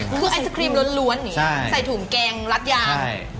คือไอศกรีมล้วนใส่ถุงแกงรัดยาง